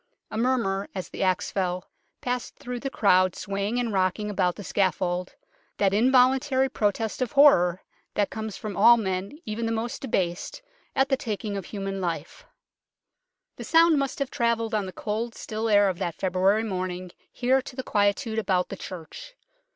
A mur mur as the axe fell passed through the crowd swaying and rocking about the scaffold, that involuntary protest of horror that comes from all men, even the most debased, at the taking 6 UNKNOWN LONDON of human life ; the sound must have travelled on the cold still air of that February morning here to the quietude about the church.